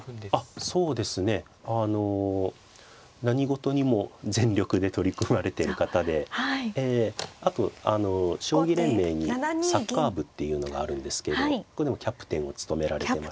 そうですねあの何事にも全力で取り組まれてる方でええあとあの将棋連盟にサッカー部っていうのがあるんですけどここでもキャプテンを務められてまして。